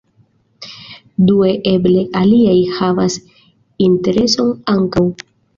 Due eble aliaj havas intereson ankaŭ.